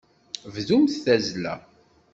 Bdumt tazzla.